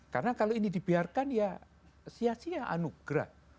karena kalau ini dibiarkan ya sia sia anugerah